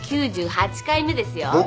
３９８回目ですよ。